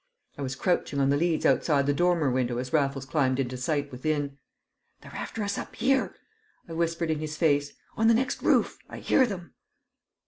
I was crouching on the leads outside the dormer window as Raffles climbed into sight within. "They're after us up here!" I whispered in his face. "On the next roof! I hear them!"